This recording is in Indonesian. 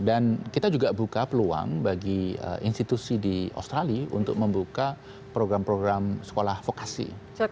dan kita juga buka peluang bagi institusi di australia untuk membuka program program sekolah fokasi